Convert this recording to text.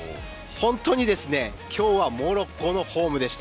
本当に、今日はモロッコのホームでした。